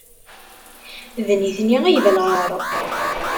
D nitni ay d lɛaṛ.